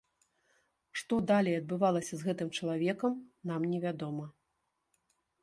Што далей адбывалася з гэтым чалавекам, нам не вядома.